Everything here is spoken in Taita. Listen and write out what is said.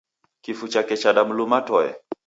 Kifu chake chadamluma toe.